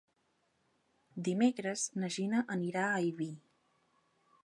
Dimecres na Gina anirà a Ibi.